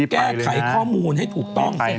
แก้ไขข้อมูลให้ถูกต้อง